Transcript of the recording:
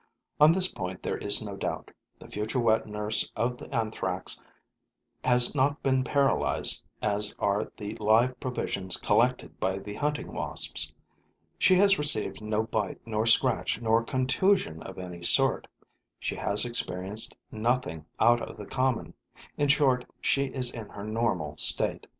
On this point there is no doubt: the future wet nurse of the Anthrax has not been paralyzed as are the live provisions collected by the Hunting Wasps; she has received no bite nor scratch nor contusion of any sort; she has experienced nothing out of the common: in short, she is in her normal state.